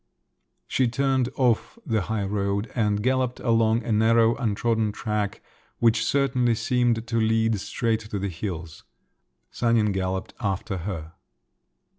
_" She turned off the high road and galloped along a narrow untrodden track, which certainly seemed to lead straight to the hills. Sanin galloped after her.